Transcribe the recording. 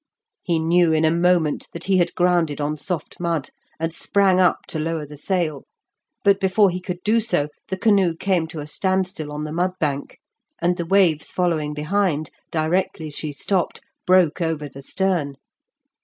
He knew in a moment that he had grounded on soft mud, and sprang up to lower the sail, but before he could do so the canoe came to a standstill on the mud bank, and the waves following behind, directly she stopped, broke over the stern.